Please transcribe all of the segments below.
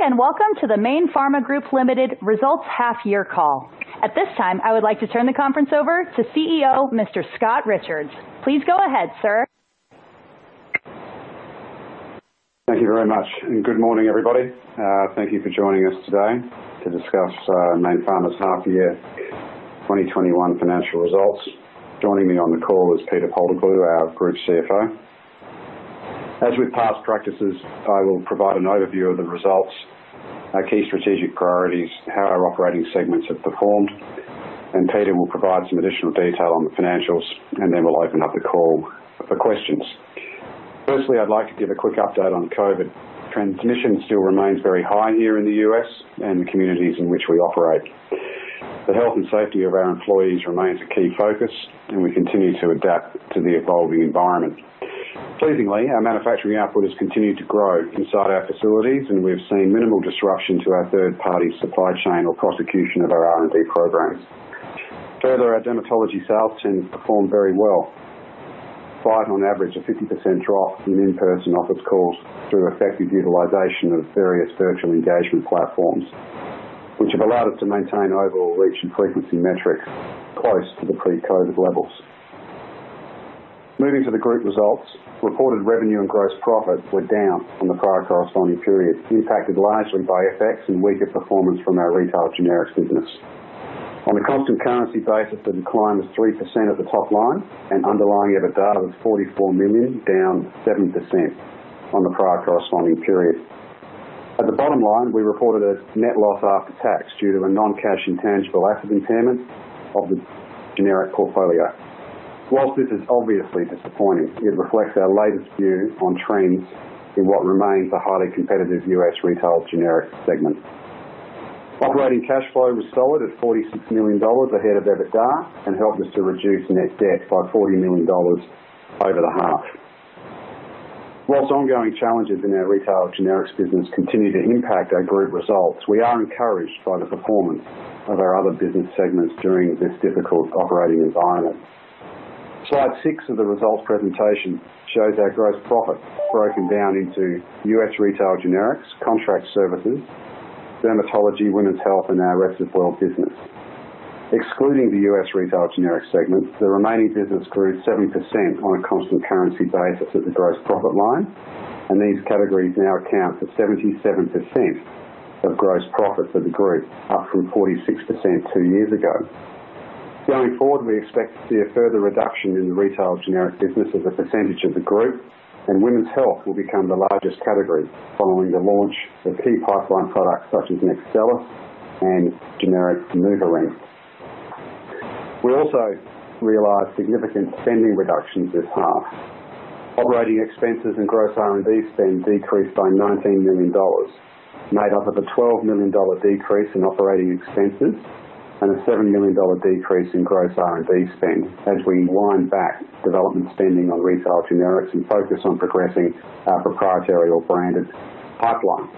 Good day, welcome to the Mayne Pharma Group Limited results half-year call. At this time, I would like to turn the conference over to CEO, Mr. Scott Richards. Please go ahead, sir. Thank you very much, good morning, everybody. Thank you for joining us today to discuss Mayne Pharma's half year 2021 financial results. Joining me on the call is Peter Paltoglou, our Group CFO. As with past practices, I will provide an overview of the results, our key strategic priorities, how our operating segments have performed, and Peter will provide some additional detail on the financials, and then we'll open up the call for questions. Firstly, I'd like to give a quick update on COVID. Transmission still remains very high here in the U.S. and the communities in which we operate. The health and safety of our employees remains a key focus, and we continue to adapt to the evolving environment. Pleasingly, our manufacturing output has continued to grow inside our facilities, and we've seen minimal disruption to our third-party supply chain or prosecution of our R&D programs. Further, our dermatology sales team has performed very well, despite on average a 50% drop in in-person office calls through effective utilization of various virtual engagement platforms, which have allowed us to maintain overall reach and frequency metrics close to the pre-COVID levels. Moving to the group results. Reported revenue and gross profit were down from the prior corresponding period, impacted largely by FX and weaker performance from our retail generics business. On a constant currency basis, the decline was 3% at the top line and underlying EBITDA was 44 million, down 7% on the prior corresponding period. At the bottom line, we reported a net loss after tax due to a non-cash intangible asset impairment of the generic portfolio. Whilst this is obviously disappointing, it reflects our latest view on trends in what remains a highly competitive U.S. retail generics segment. Operating cash flow was solid at 46 million dollars ahead of EBITDA and helped us to reduce net debt by 40 million dollars over the half. Whilst ongoing challenges in our retail generics business continue to impact our group results, we are encouraged by the performance of our other business segments during this difficult operating environment. Slide six of the results presentation shows our gross profit broken down into U.S. retail generics, contract services, dermatology, women's health, and our rest of world business. Excluding the U.S. retail generics segment, the remaining business grew 70% on a constant currency basis at the gross profit line, and these categories now account for 77% of gross profit for the group, up from 46% two years ago. Going forward, we expect to see a further reduction in the retail generics business as a percentage of the group and women's health will become the largest category following the launch of key pipeline products such as NEXTSTELLIS and generic NuvaRing. We also realized significant spending reductions this half. OpEx and gross R&D spend decreased by 19 million dollars, made up of an 12 million dollar decrease in OpEx and an 7 million dollar decrease in gross R&D spend as we wind back development spending on retail generics and focus on progressing our proprietary or branded pipeline.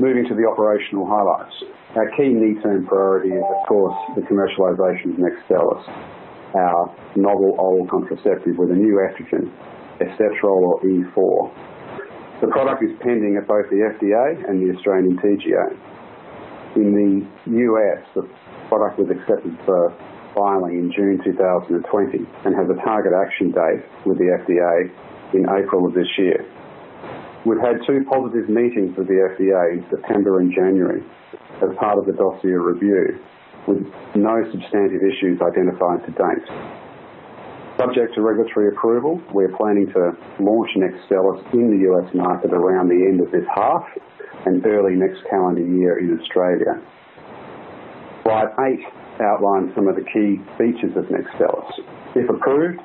Moving to the operational highlights. Our key near-term priority is of course the commercialization of NEXTSTELLIS, our novel oral contraceptive with a new estrogen, estetrol or E4. The product is pending at both the FDA and the Australian TGA. In the U.S., the product was accepted for filing in June 2020 and has a target action date with the FDA in April of this year. We've had two positive meetings with the FDA in September and January as part of the dossier review, with no substantive issues identified to date. Subject to regulatory approval, we're planning to launch NEXTSTELLIS in the U.S. market around the end of this half and early next calendar year in Australia. Slide eight outlines some of the key features of NEXTSTELLIS. If approved,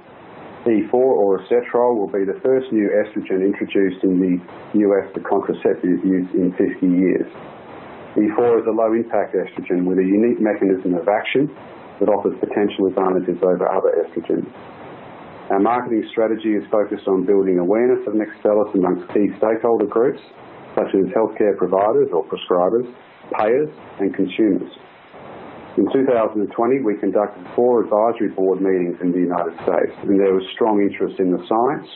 E4 or estetrol will be the first new estrogen introduced in the U.S. for contraceptive use in 50 years. E4 is a low-impact estrogen with a unique mechanism of action that offers potential advantages over other estrogens. Our marketing strategy is focused on building awareness of NEXTSTELLIS amongst key stakeholder groups, such as healthcare providers or prescribers, payers, and consumers. In 2020, we conducted four advisory board meetings in the U.S. There was strong interest in the science,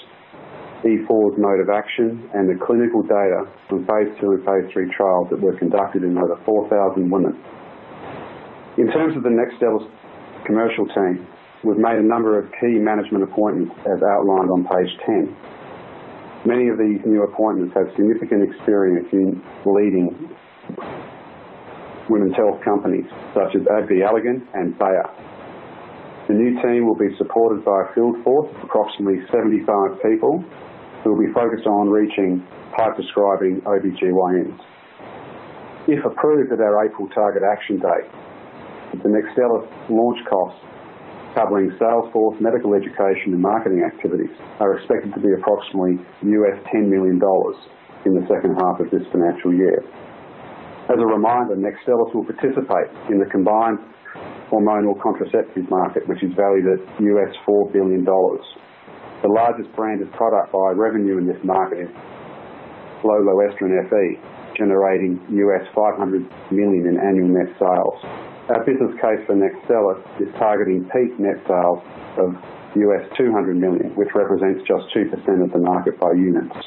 E4's mode of action, and the clinical data from phase II and phase III trials that were conducted in over 4,000 women. In terms of the NEXTSTELLIS commercial team, we've made a number of key management appointments, as outlined on page 10. Many of these new appointments have significant experience in leading women's health companies such as AbbVie, Allergan, and Bayer. The new team will be supported by a field force of approximately 75 people who will be focused on reaching high-prescribing OB-GYNs. If approved at our April target action date, the NEXTSTELLIS launch costs, covering sales force, medical education, and marketing activities, are expected to be approximately $10 million in the second half of this financial year. As a reminder, NEXTSTELLIS will participate in the combined hormonal contraceptives market, which is valued at $4 billion. The largest branded product by revenue in this market is Lo Loestrin Fe generating $500 million in annual net sales. Our business case for NEXTSTELLIS is targeting peak net sales of $200 million, which represents just 2% of the market by units.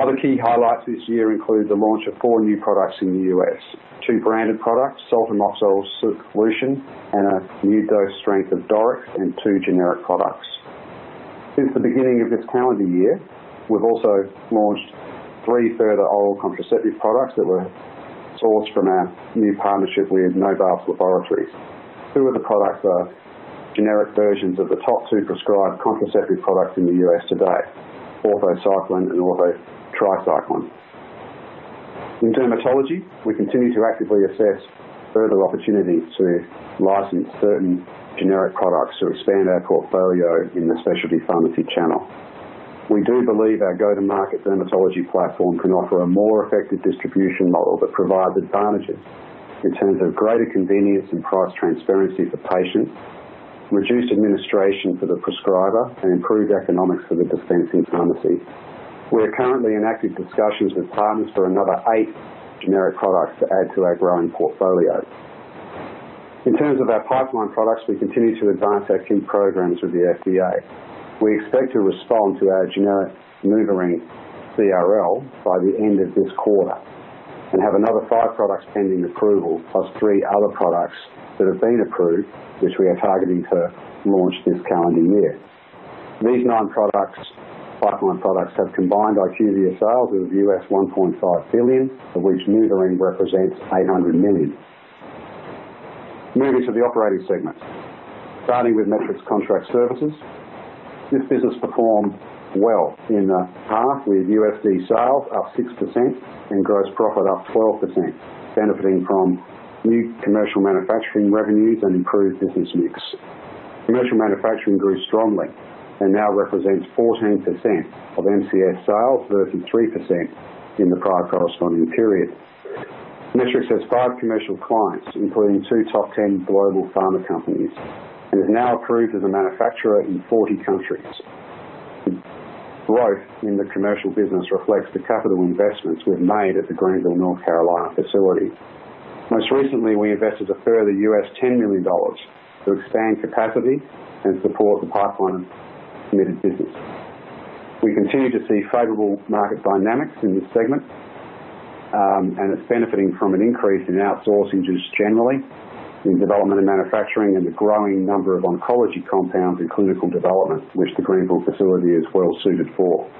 Other key highlights this year include the launch of four new products in the U.S. Two branded products, sulfacetamide sodium solution, and a new dose strength of DORYX and two generic products. Since the beginning of this calendar year, we've also launched three further oral contraceptive products that were sourced from our new partnership with Novast Laboratories. Two of the products are generic versions of the top two prescribed contraceptive products in the U.S. today, Ortho Cyclen and Ortho Tri-Cyclen. In dermatology, we continue to actively assess further opportunities to license certain generic products to expand our portfolio in the specialty pharmacy channel. We do believe our go-to-market dermatology platform can offer a more effective distribution model that provides advantages in terms of greater convenience and price transparency for patients, reduced administration for the prescriber, and improved economics for the dispensing pharmacy. We're currently in active discussions with partners for another eight generic products to add to our growing portfolio. In terms of our pipeline products, we continue to advance our key programs with the FDA. We expect to respond to our generic NuvaRing CRL by the end of this quarter and have another five products pending approval, plus three other products that have been approved, which we are targeting to launch this calendar year. These nine pipeline products have combined IQVIA sales of $1.5 billion, of which NuvaRing represents $800 million. Moving to the operating segments. Starting with Metrics Contract Services. This business performed well in the half, with USD sales up 6% and gross profit up 12%, benefiting from new commercial manufacturing revenues and improved business mix. Commercial manufacturing grew strongly and now represents 14% of MCS sales versus 3% in the prior corresponding period. Metrics has five commercial clients, including two top 10 global pharma companies, and is now approved as a manufacturer in 40 countries. Growth in the commercial business reflects the capital investments we've made at the Greenville, North Carolina facility. Most recently, we invested a further $10 million to expand capacity and support the pipeline committed business. We continue to see favorable market dynamics in this segment, and it's benefiting from an increase in outsourcing just generally in development and manufacturing and the growing number of oncology compounds in clinical development, which the Greenville facility is well suited for.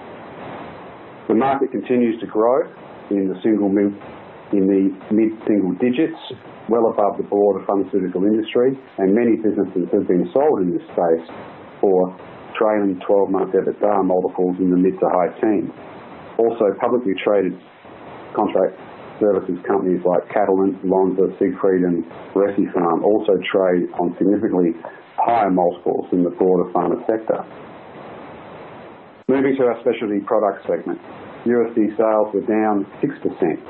The market continues to grow in the mid-single digits, well above the broader pharmaceutical industry, and many businesses have been sold in this space for trailing 12-month EBITDA multiples in the mid-to-high teens. Also, publicly traded contract services companies like Catalent, Lonza, Siegfried, and Recipharm also trade on significantly higher multiples in the broader pharma sector. Moving to our Specialty Products Division. USD sales were down 6%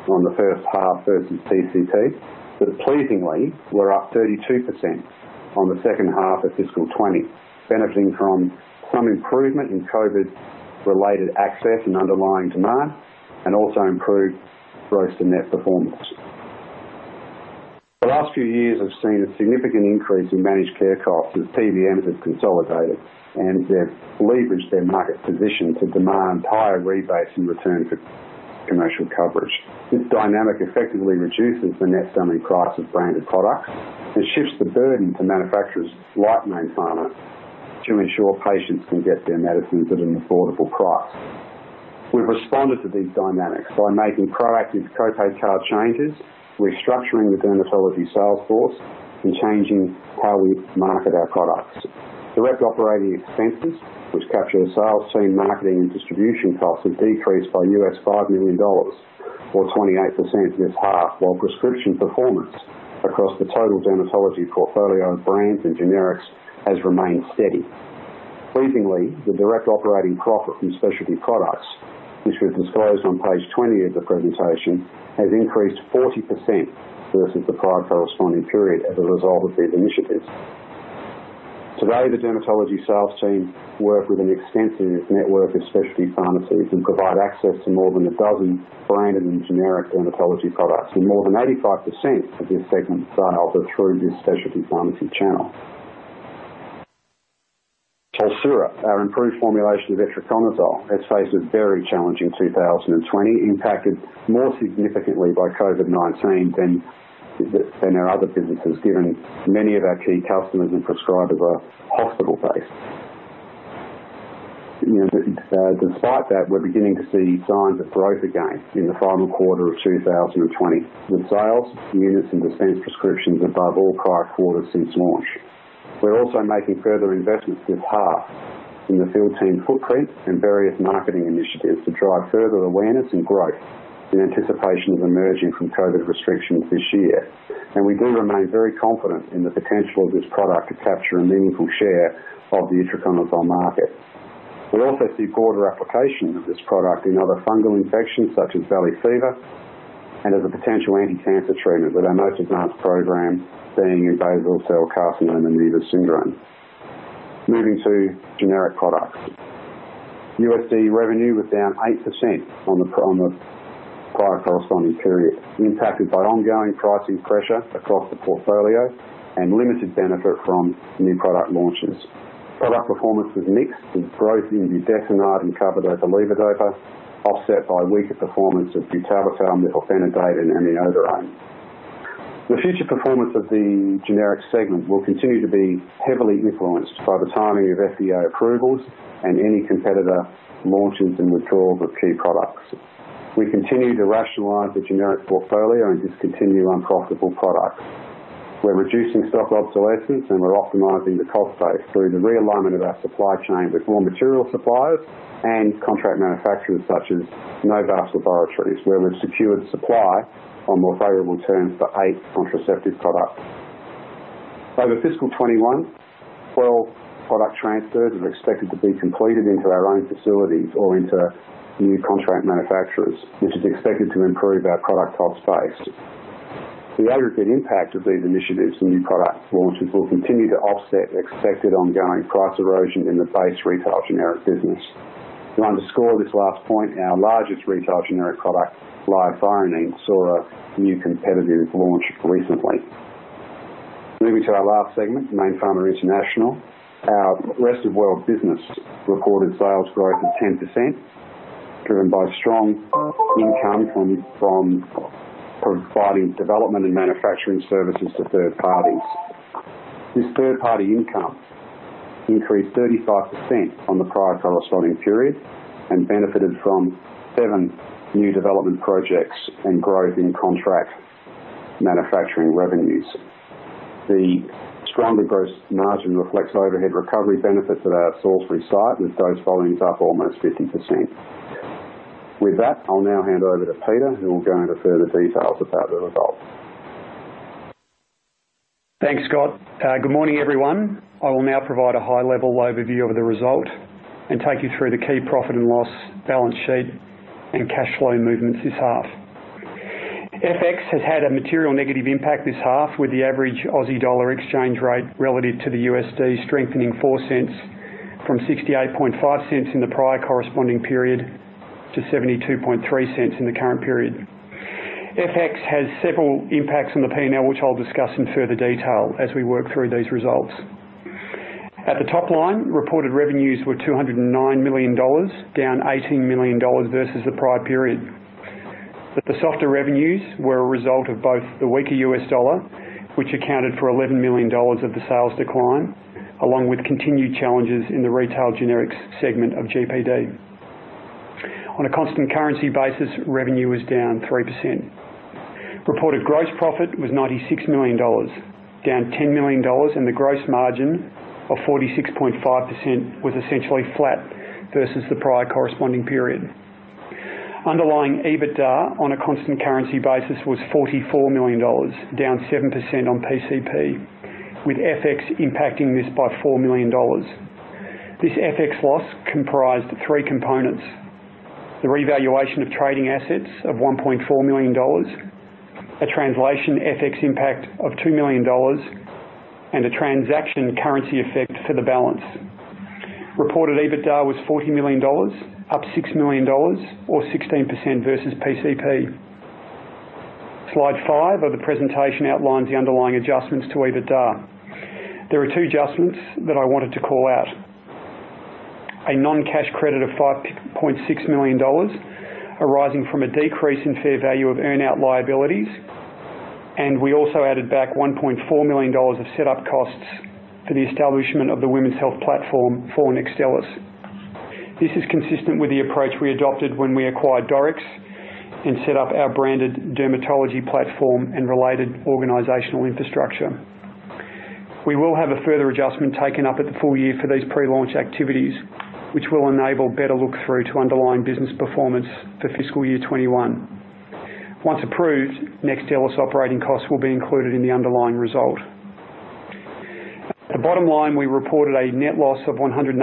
from the first half versus TCT, but pleasingly, were up 32% on the second half of fiscal 2020, benefiting from some improvement in COVID-related access and underlying demand, and also improved gross and net performance. The last few years have seen a significant increase in managed care costs as PBMs have consolidated and they've leveraged their market position to demand higher rebates in return for commercial coverage. This dynamic effectively reduces the net selling price of branded products and shifts the burden to manufacturers like Mayne Pharma to ensure patients can get their medicines at an affordable price. We've responded to these dynamics by making proactive co-pay card changes, restructuring the dermatology sales force, and changing how we market our products. Direct operating expenses, which capture the sales team marketing and distribution costs, have decreased by $5 million or 28% this half, while prescription performance across the total dermatology portfolio of brands and generics has remained steady. Pleasingly, the direct operating profit from Specialty Products Division, which was disclosed on page 20 of the presentation, has increased 40% versus the prior corresponding period as a result of these initiatives. Today, the dermatology sales team work with an extensive network of specialty pharmacies and provide access to more than a dozen branded and generic dermatology products, and more than 85% of this segment's sales are through this specialty pharmacy channel. TOLSURA, our improved formulation of itraconazole, has faced a very challenging 2020, impacted more significantly by COVID-19 than our other businesses, given many of our key customers and prescribers are hospital-based. Despite that, we're beginning to see signs of growth again in the final quarter of 2020, with sales, units, and dispensed prescriptions above all prior quarters since launch. We're also making further investments this half in the field team footprint and various marketing initiatives to drive further awareness and growth in anticipation of emerging from COVID restrictions this year. We do remain very confident in the potential of this product to capture a meaningful share of the itraconazole market. We also see broader application of this product in other fungal infections such as valley fever and as a potential anti-cancer treatment, with our most advanced program being in basal cell carcinoma and Gorlin syndrome. Moving to generic products. USD revenue was down 8% on the prior corresponding period, impacted by ongoing pricing pressure across the portfolio and limited benefit from new product launches. Product performance was mixed, with growth in budesonide and carbidopa/levodopa offset by weaker performance of butalbital, metoclopramide, and aminoglutethimide. The future performance of the generics segment will continue to be heavily influenced by the timing of FDA approvals and any competitor launches and withdrawals of key products. We continue to rationalize the generic portfolio and discontinue unprofitable products. We're reducing stock obsolescence, and we're optimizing the cost base through the realignment of our supply chain with more material suppliers and contract manufacturers, such as Novast Laboratories, where we've secured supply on more favorable terms for eight contraceptive products. Over FY 2021, 12 product transfers are expected to be completed into our own facilities or into new contract manufacturers, which is expected to improve our product cost base. The aggregate impact of these initiatives and new product launches will continue to offset expected ongoing price erosion in the base retail generic business. To underscore this last point, our largest retail generic product, lidocaine, saw a new competitive launch recently. Moving to our last segment, Mayne Pharma International. Our rest-of-world business recorded sales growth of 10%, driven by strong income from providing development and manufacturing services to third parties. This third-party income increased 35% from the prior corresponding period and benefited from seven new development projects and growth in contract manufacturing revenues. The stronger gross margin reflects overhead recovery benefits at our Salisbury site, with dose volumes up almost 50%. With that, I'll now hand over to Peter, who will go into further details about the results. Thanks, Scott. Good morning, everyone. I will now provide a high-level overview of the result and take you through the key profit and loss balance sheet and cash flow movements this half. FX has had a material negative impact this half, with the average AUD dollar exchange rate relative to the USD strengthening 0.04 from 0.685 in the prior corresponding period to 0.723 in the current period. FX has several impacts on the P&L, which I'll discuss in further detail as we work through these results. At the top line, reported revenues were 209 million dollars, down 18 million dollars versus the prior period. The softer revenues were a result of both the weaker US dollar, which accounted for $11 million of the sales decline, along with continued challenges in the retail generics segment of GPD. On a constant currency basis, revenue was down 3%. Reported gross profit was 96 million dollars, down 10 million dollars, and the gross margin of 46.5% was essentially flat versus the prior corresponding period. Underlying EBITDA, on a constant currency basis, was 44 million dollars, down 7% on PCP, with FX impacting this by 4 million dollars. This FX loss comprised three components: the revaluation of trading assets of 1.4 million dollars, a translation FX impact of 2 million dollars, and a transaction currency effect for the balance. Reported EBITDA was 40 million dollars, up 6 million dollars or 16% versus PCP. Slide five of the presentation outlines the underlying adjustments to EBITDA. There are two adjustments that I wanted to call out. A non-cash credit of 5.6 million dollars arising from a decrease in fair value of earn-out liabilities, and we also added back 1.4 million dollars of set-up costs for the establishment of the women's health platform for NEXTSTELLIS. This is consistent with the approach we adopted when we acquired DORYX and set up our branded dermatology platform and related organizational infrastructure. We will have a further adjustment taken up at the full year for these pre-launch activities, which will enable better look-through to underlying business performance for fiscal year 2021. Once approved, NEXTSTELLIS operating costs will be included in the underlying result. At bottom line, we reported a net loss of 181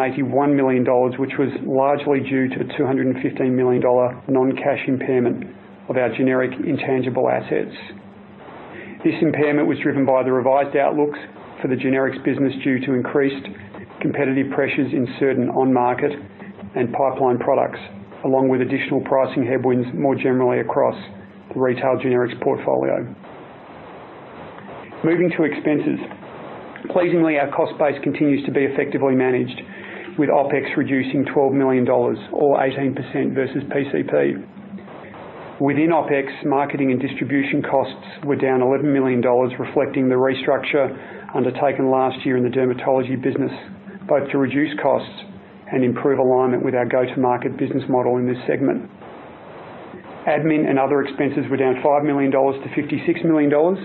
million dollars, which was largely due to the 215 million dollar non-cash impairment of our generic intangible assets. This impairment was driven by the revised outlooks for the generics business due to increased competitive pressures in certain on-market and pipeline products, along with additional pricing headwinds more generally across the retail generics portfolio. Moving to expenses. Pleasingly, our cost base continues to be effectively managed, with OpEx reducing 12 million dollars or 18% versus PCP. Within OpEx, marketing and distribution costs were down 11 million dollars, reflecting the restructure undertaken last year in the dermatology business, both to reduce costs and improve alignment with our go-to-market business model in this segment. Admin and other expenses were down 5 million dollars to 56 million dollars,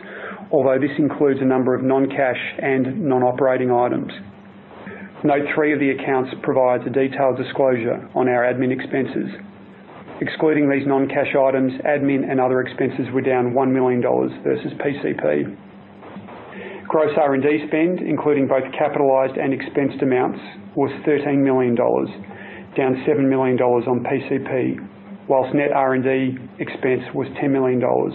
although this includes a number of non-cash and non-operating items. Note three of the accounts provides a detailed disclosure on our admin expenses. Excluding these non-cash items, admin and other expenses were down 1 million dollars versus PCP. Gross R&D spend, including both capitalized and expensed amounts, was 13 million dollars. Down 7 million dollars on PCP, whilst net R&D expense was 10 million dollars,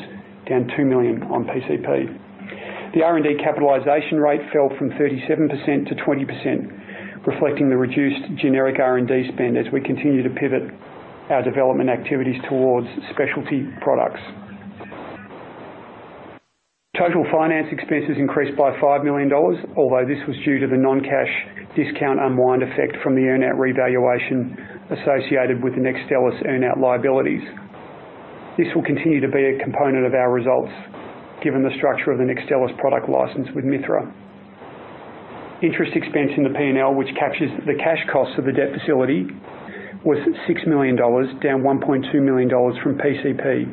down 2 million on PCP. The R&D capitalization rate fell from 37% to 20%, reflecting the reduced generic R&D spend as we continue to pivot our development activities towards Specialty Products. Total finance expenses increased by 5 million dollars, although this was due to the non-cash discount unwind effect from the earn-out revaluation associated with the NEXTSTELLIS earn-out liabilities. This will continue to be a component of our results given the structure of the NEXTSTELLIS product license with Mithra Pharmaceuticals. Interest expense in the P&L, which captures the cash costs of the debt facility, was 6 million dollars, down 1.2 million dollars from PCP,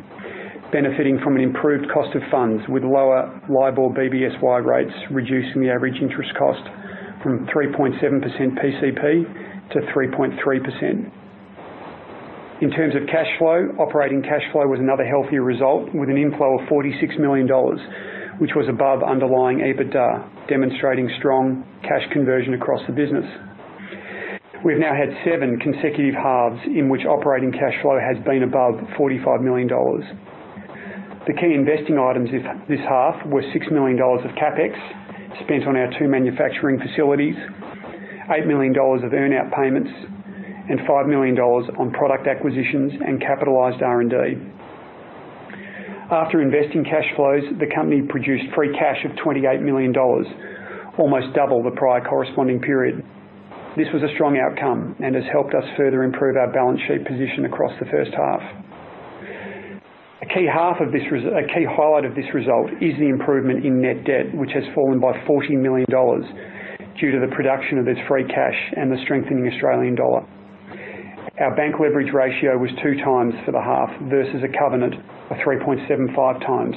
benefiting from an improved cost of funds with lower LIBOR BBSY rates, reducing the average interest cost from 3.7% PCP to 3.3%. In terms of cash flow, operating cash flow was another healthy result with an inflow of 46 million dollars, which was above underlying EBITDA, demonstrating strong cash conversion across the business. We've now had seven consecutive halves in which operating cash flow has been above 45 million dollars. The key investing items this half were 6 million dollars of CapEx spent on our two manufacturing facilities, 8 million dollars of earn-out payments, and 5 million dollars on product acquisitions and capitalized R&D. After investing cash flows, the company produced free cash of 28 million dollars, almost double the prior corresponding period. This was a strong outcome and has helped us further improve our balance sheet position across the first half. A key highlight of this result is the improvement in net debt, which has fallen by 40 million dollars due to the production of this free cash and the strengthening Australian dollar. Our bank leverage ratio was two times for the half versus a covenant of 3.75 times,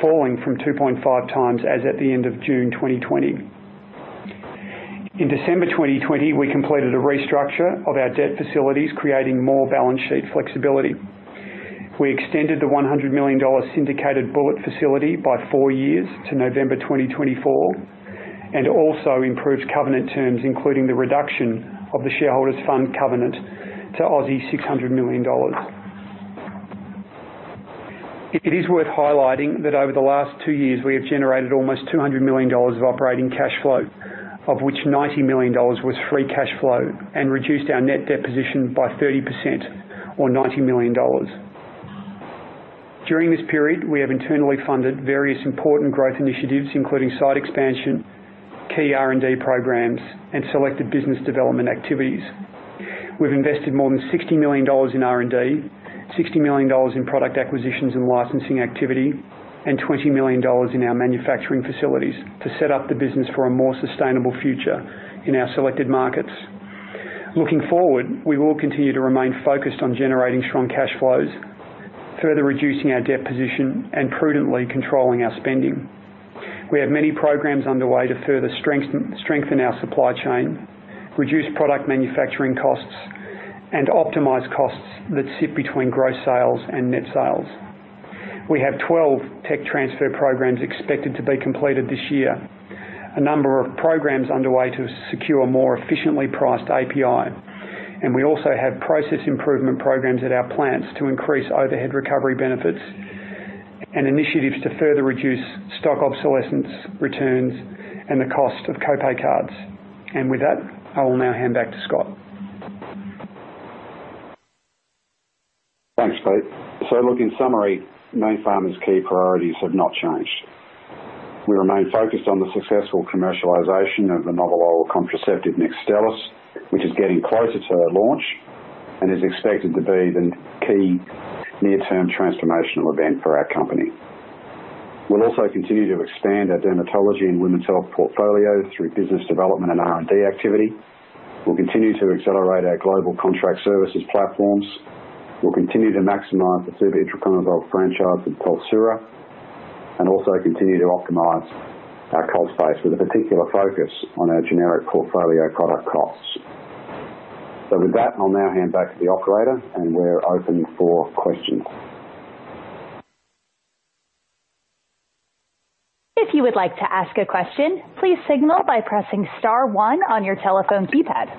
falling from 2.5 times as at the end of June 2020. In December 2020, we completed a restructure of our debt facilities, creating more balance sheet flexibility. We extended the 100 million dollar syndicated bullet facility by four years to November 2024, and also improved covenant terms, including the reduction of the shareholders' fund covenant to 600 million Aussie dollars. It is worth highlighting that over the last two years, we have generated almost 200 million dollars of operating cash flow, of which 90 million dollars was free cash flow, and reduced our net debt position by 30% or 90 million dollars. During this period, we have internally funded various important growth initiatives, including site expansion, key R&D programs, and selected business development activities. We've invested more than 60 million dollars in R&D, 60 million dollars in product acquisitions and licensing activity, and 20 million dollars in our manufacturing facilities to set up the business for a more sustainable future in our selected markets. Looking forward, we will continue to remain focused on generating strong cash flows, further reducing our debt position, and prudently controlling our spending. We have many programs underway to further strengthen our supply chain, reduce product manufacturing costs, and optimize costs that sit between gross sales and net sales. We have 12 tech transfer programs expected to be completed this year, a number of programs underway to secure more efficiently priced API, and we also have process improvement programs at our plants to increase overhead recovery benefits, and initiatives to further reduce stock obsolescence returns and the cost of co-pay cards. With that, I will now hand back to Scott. Thanks, Pete. Look, in summary, Mayne Pharma's key priorities have not changed. We remain focused on the successful commercialization of the novel oral contraceptive, NEXTSTELLIS, which is getting closer to our launch and is expected to be the key near-term transformational event for our company. We'll also continue to expand our dermatology and women's health portfolio through business development and R&D activity. We'll continue to accelerate our global contract services platforms. We'll continue to maximize the severe itraconazole franchise with TOLSURA, and also continue to optimize our cost base with a particular focus on our generic portfolio product costs. With that, I'll now hand back to the operator, and we're open for questions. If you would like to ask a question, please signal by pressing *1 on your telephone keypad.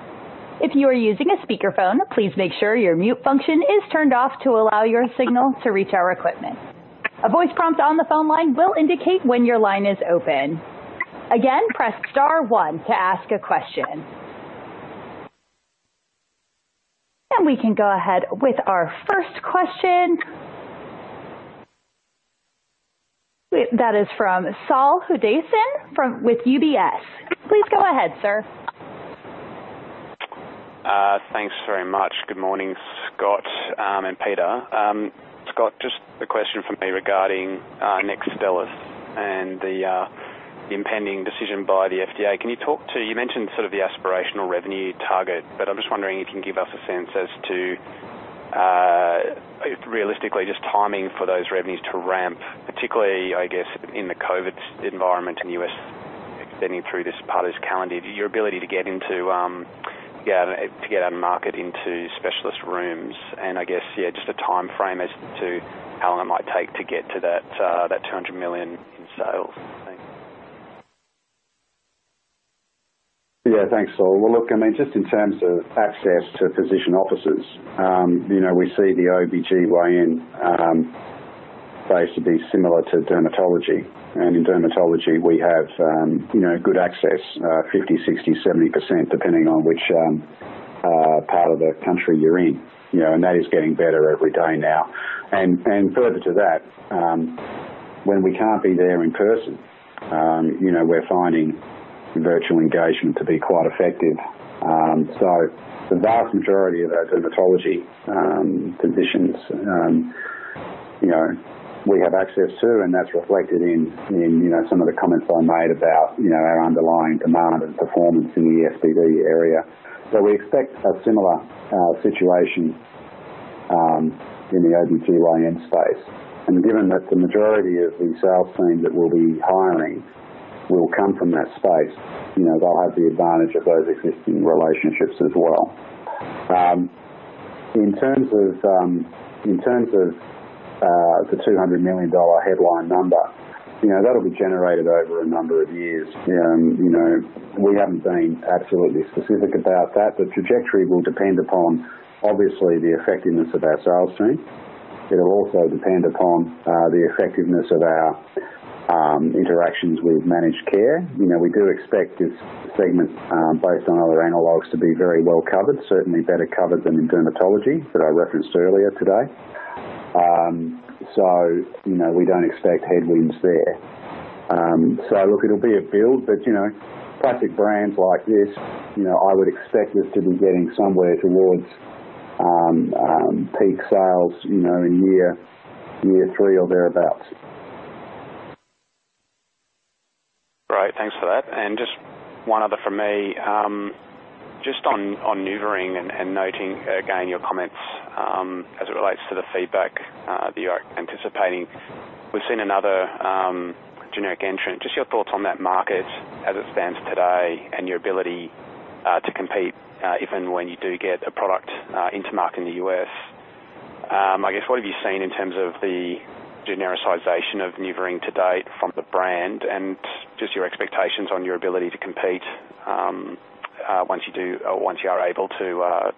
If you are using a speakerphone, please make sure your mute function is turned off to allow your signal to reach our equipment. A voice prompt on the phone line will indicate when your line is open. Again, press star one to ask a question. We can go ahead with our first question. That is from Saul Hadassin with UBS. Please go ahead, sir. Thanks very much. Good morning, Scott and Peter. Scott, just a question from me regarding NEXTSTELLIS and the impending decision by the FDA. You mentioned sort of the aspirational revenue target. I'm just wondering if you can give us a sense as to, realistically, just timing for those revenues to ramp, particularly, I guess, in the COVID environment in the U.S. extending through this part of this calendar year, your ability to get out of market into specialist rooms and, I guess, yeah, just a timeframe as to how long it might take to get to that 200 million in sales. Yeah. Thanks, Saul. Just in terms of access to physician offices. We see the OB-GYNs, they used to be similar to dermatology. In dermatology we have good access, 50%, 60%, 70%, depending on which part of the country you're in. That is getting better every day now. Further to that, when we can't be there in person, we're finding virtual engagement to be quite effective. The vast majority of our dermatology physicians, we have access to, and that's reflected in some of the comments I made about our underlying demand and performance in the SPV area. We expect a similar situation in the OB-GYNs space. Given that the majority of the sales team that we'll be hiring will come from that space, they'll have the advantage of those existing relationships as well. In terms of the 200 million dollar headline number, that'll be generated over a number of years. We haven't been absolutely specific about that. The trajectory will depend upon, obviously, the effectiveness of our sales team. It'll also depend upon the effectiveness of our interactions with managed care. We do expect this segment, based on other analogs, to be very well covered, certainly better covered than in dermatology that I referenced earlier today. We don't expect headwinds there. Look, it'll be a build, but classic brands like this, I would expect us to be getting somewhere towards peak sales in year three or thereabout. Great. Thanks for that. Just one other from me. Just on NuvaRing and noting again your comments, as it relates to the feedback that you're anticipating. We've seen another generic entrant. Just your thoughts on that market as it stands today and your ability to compete, even when you do get a product into market in the U.S. I guess, what have you seen in terms of the genericization of NuvaRing to date from the brand and just your expectations on your ability to compete once you are able to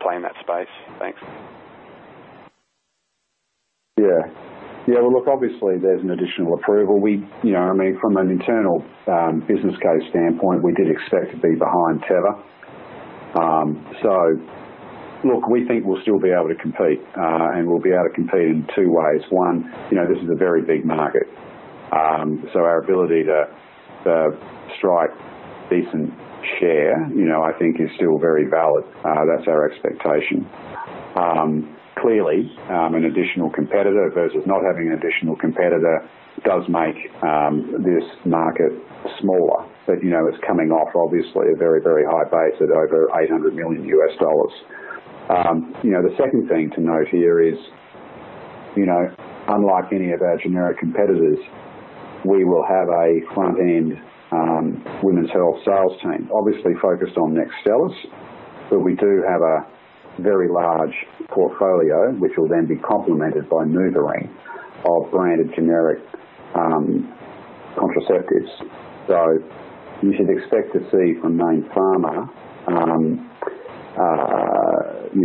play in that space? Thanks. Yeah. Well, look, obviously there's an additional approval. From an internal business case standpoint, we did expect to be behind Teva. Look, we think we'll still be able to compete, and we'll be able to compete in two ways. One, this is a very big market. Our ability to strike decent share, I think is still very valid. That's our expectation. Clearly, an additional competitor versus not having an additional competitor does make this market smaller. It's coming off obviously a very high base at over $800 million. The second thing to note here is, unlike any of our generic competitors, we will have a front-end women's health sales team, obviously focused on NEXTSTELLIS, but we do have a very large portfolio, which will then be complemented by NuvaRing of branded generic contraceptives. You should expect to see from Mayne Pharma,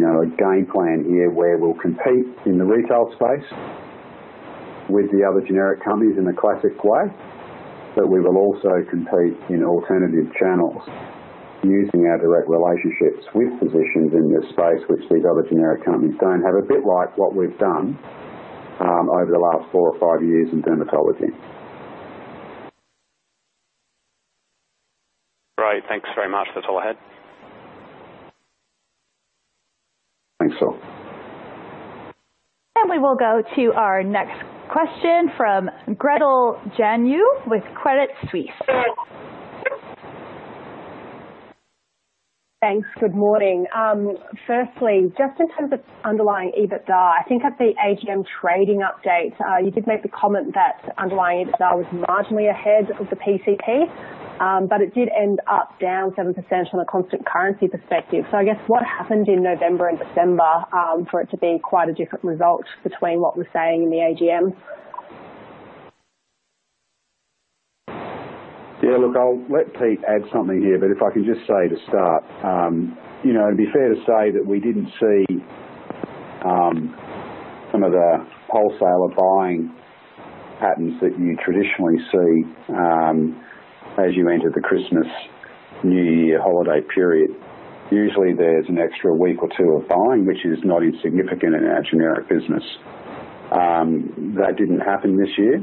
a game plan here where we'll compete in the retail space with the other generic companies in a classic way, but we will also compete in alternative channels using our direct relationships with physicians in this space, which these other generic companies don't have. A bit like what we've done over the last four or five years in dermatology. Great. Thanks very much. That's all I had. Thanks, Saul. We will go to our next question from Gretel Janu with Credit Suisse. Thanks. Good morning. Firstly, just in terms of underlying EBITDA, I think at the AGM trading update, you did make the comment that underlying EBITDA was marginally ahead of the PCP. It did end up down 7% from a constant currency perspective. I guess what happened in November and December, for it to be quite a different result between what we're saying in the AGM? Yeah. Look, I'll let Pete add something here, but if I can just say to start. It'd be fair to say that we didn't see some of the wholesaler buying patterns that you traditionally see, as you enter the Christmas, New Year holiday period. Usually, there's an extra week or two of buying, which is not insignificant in our generic business. That didn't happen this year.